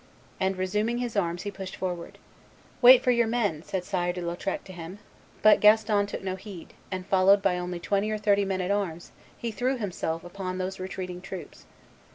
And resuming his arms he pushed forward. 'Wait for your men,' said Sire de Lautrec to him; but Gaston took no heed, and followed by only twenty or thirty men at arms, he threw himself upon those retreating troops."